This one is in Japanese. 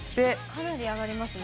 かなり上がりますね。